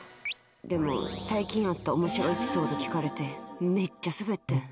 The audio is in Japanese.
でも、最近あった面白エピソード聞かれてめっちゃスベって。